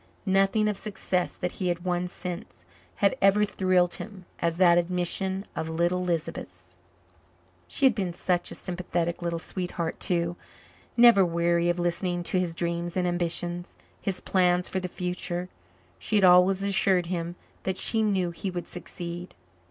Nothing of success that he had won since had ever thrilled him as that admission of little Lisbeth's! She had been such a sympathetic little sweetheart too, never weary of listening to his dreams and ambitions, his plans for the future. She had always assured him that she knew he would succeed.